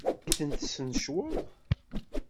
Anda ay ten-tesnecweḍ?